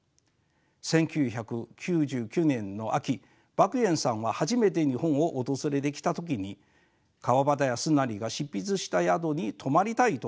１９９９年の秋莫言さんは初めて日本を訪れてきた時に川端康成が執筆した宿に泊まりたいと言いました。